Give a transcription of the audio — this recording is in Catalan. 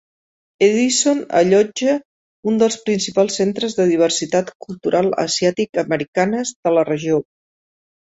Edison allotja un dels principals centres de diversitat cultural asiàtic-americanes de la regió.